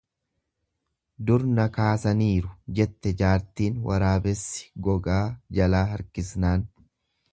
Dur na kaasaniiru, jette jaartiin waraabessi gogaa jalaa harkisnaan.